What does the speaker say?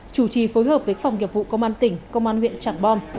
chủ trì phối hợp với phòng nghiệp vụ công an tỉnh công an huyện trảng bom